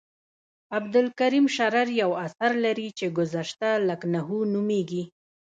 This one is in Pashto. عبدالکریم شرر یو اثر لري چې ګذشته لکنهو نومیږي.